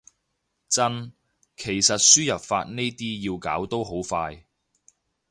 真，其實輸入法呢啲要搞都好快